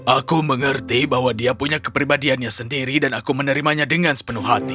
aku mengerti bahwa dia punya kepribadiannya sendiri dan aku menerimanya dengan sepenuh hati